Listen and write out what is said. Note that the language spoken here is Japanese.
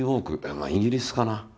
まあイギリスかな？